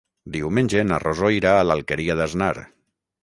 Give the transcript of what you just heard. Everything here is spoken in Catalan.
Diumenge na Rosó irà a l'Alqueria d'Asnar.